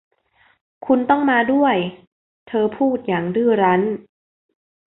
คุณต้องมาด้วยเธอพูดอย่างดื้อรั้น